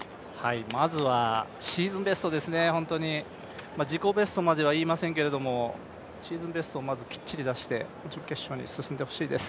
まずはシーズンベストですね、自己ベストまでは言いませんんけどシーズンベストをまずきっちり出して、準決勝に進んでほしいです。